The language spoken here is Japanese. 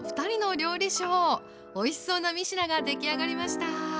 おいしそうな３品が出来上がりました。